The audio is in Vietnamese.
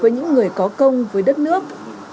những người có công với đất nước